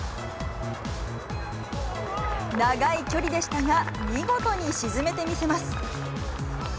長い距離でしたが、見事に沈めてみせます。